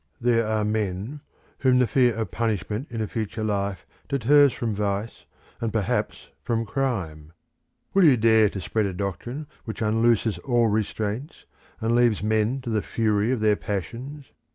There are men whom the fear of punishment in a future life deters from vice and perhaps from crime. Will you dare to spread a doctrine which unlooses all restraints, and leaves men to the fury of their passions?